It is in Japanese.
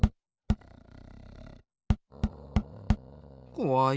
こわい。